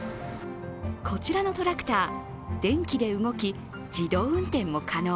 こちらのトラクター、電気で動き、自動運転も可能。